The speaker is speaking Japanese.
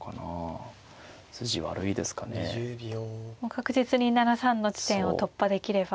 確実に７三の地点を突破できれば。